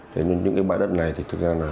thế nhưng những cái bãi đất này thì thực ra là